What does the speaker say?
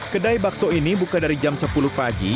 kedai bakso ini buka dari jam sepuluh pagi